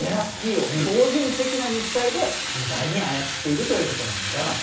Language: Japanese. スキーを超人的な肉体で、自在に操っているということです。